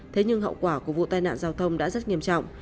thế nhưng hậu quả của vụ tai nạn giao thông đã rất nghiêm trọng